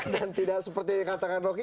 dan tidak seperti yang katakan rocky